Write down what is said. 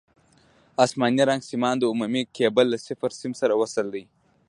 اسماني رنګ سیمان د عمومي کیبل له صفر سیم سره وصل دي.